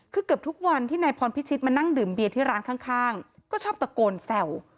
คือเกือบทุกวันที่นายพรพิชิตมานั่งดื่มเบียร์ที่ร้านข้างก็ชอบตะโกนแซว